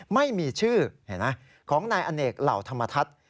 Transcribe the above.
ไม่มีชื่อของนายอเนกเหล่าธรรมทัศน์